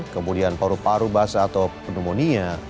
kemudian paru paru basah atau pneumonia